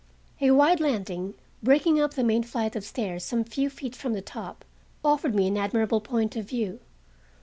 A wide landing, breaking up the main flight of stairs some few feet from the top, offered me an admirable point of view.